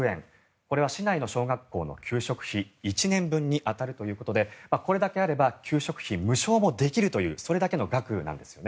これは市内の小学校の給食費１年分に当たるということでこれだけあれば給食費無償もできるというそれだけの額なんです。